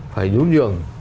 phải nhu nhường